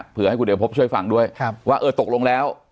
เพื่อให้คุณเอกพบช่วยฟังด้วยว่าเออตกลงแล้ว